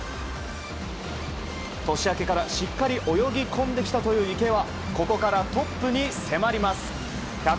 年明けからしっかり泳ぎ込んできたという池江はここからトップに迫ります。